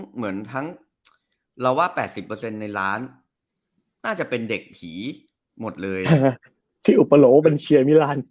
เหมือนทั้งเราว่า๘๐ในร้านน่าจะเป็นเด็กผีหมดเลย